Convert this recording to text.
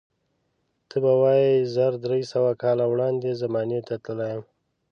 ته به وایې زر درې سوه کاله وړاندې زمانې ته تللی یم.